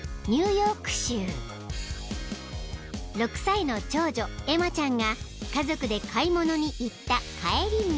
［６歳の長女エマちゃんが家族で買い物に行った帰り道］